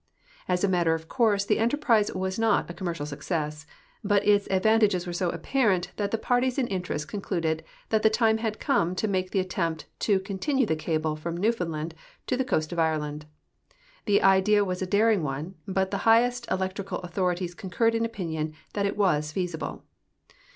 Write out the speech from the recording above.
As a matter of course, the enterprise AA'as not a com mercial success, but its adA'antages AA'ere so apparent that the parties in interest concluded that the time had come to make the attempt to continue the cable from NeAA'foundland to the coast of Ireland. Tiie idea AA'as a daring one, but the highest electrical authorities concurred in opinion that it AA'as feasible.